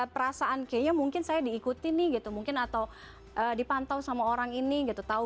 perasaan kayaknya mungkin saya diikuti nih gitu mungkin atau dipantau sama orang ini gitu tahu